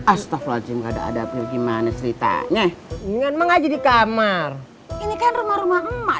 astagfirullahaladzim ada adabnya gimana ceritanya ingat mengajidi kamar ini kan rumah rumah emak